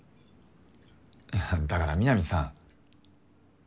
だから南さん。